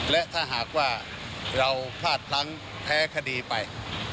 และถ้าหากว่าเราพลาดพลั้งแพ้คดีไป